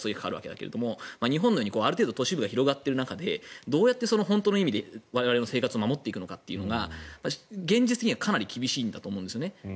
日本のようにある程度、都市部が広がっている中でどうやって本当の意味で我々の生活を守っていくのかというのが現実的にはかなり厳しいんだと思います。